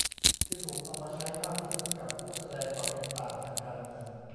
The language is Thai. ที่ถูกเอามาใช้มากที่สุดกับผู้แสดงความเห็นต่างทางการเมือง